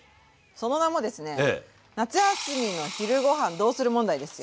その名もですね夏休みの昼ごはんどうする問題ですよ。